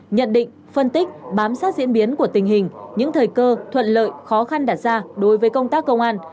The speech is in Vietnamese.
nhận định phân tích bám sát diễn biến của tình hình những thời cơ thuận lợi khó khăn đặt ra đối với công tác công an